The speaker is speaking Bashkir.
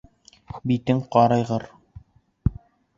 Битең ҡарайғыр!